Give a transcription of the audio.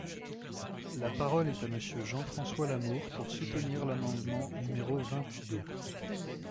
La parole est à Monsieur Jean-François Lamour, pour soutenir l’amendement numéro vingt-deux.